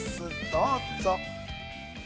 どうぞ。